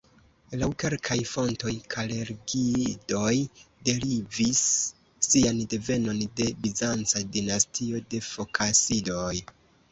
Laŭ kelkaj fontoj Kalergiidoj derivis sian devenon de bizanca dinastio de Fokasidoj.